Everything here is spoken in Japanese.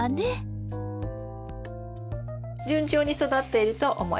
順調に育っていると思います。